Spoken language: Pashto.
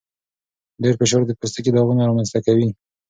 ډېر فشار د پوستکي داغونه رامنځته کوي.